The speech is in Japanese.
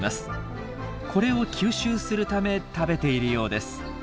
これを吸収するため食べているようです。